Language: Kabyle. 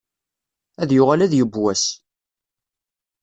Ad yuɣal ad yeww wass.